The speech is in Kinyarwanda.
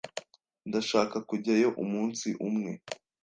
Ndashaka kujyayo umunsi umwe.